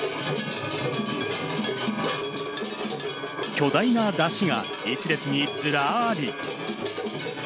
巨大な山車が１列にズラリ。